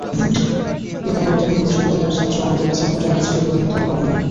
কিন্তু আমরা তখন বিশ্ববিদ্যালয়ের ছাত্র, আমাদের কাছে ঘটনাটা ছিল রীতিমতো অভাবনীয়।